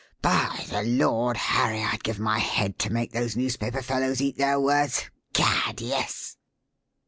By the Lord Harry! I'd give my head to make those newspaper fellows eat their words gad, yes!"